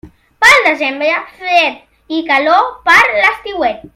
Pel desembre, fred, i calor per l'estiuet.